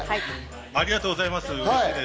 ありがとうございます。